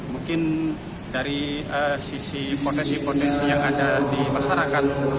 mungkin dari sisi potensi potensi yang ada di masyarakat